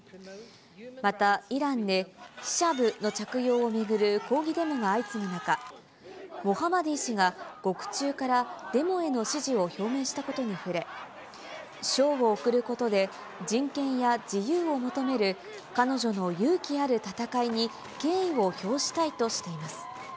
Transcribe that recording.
また、イランでヒジャブの着用を巡る抗議デモが相次ぐ中、モハマディ氏が獄中からデモへの支持を表明したことに触れ、賞を贈ることで、人権や自由を求める彼女の勇気ある闘いに敬意を表したいとしています。